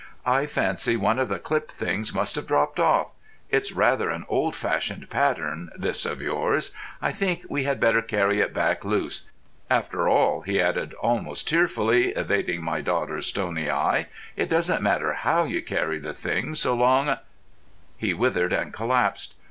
"I fancy one of the clip things must have dropped off. It's rather an old fashioned pattern, this of yours. I think we had better carry it back loose. After all," he added almost tearfully, evading my daughter's stony eye, "it doesn't matter how you carry the thing, so long——" He withered and collapsed.